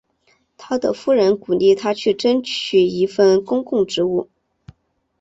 他的夫人鼓励他去争取一份公共职务。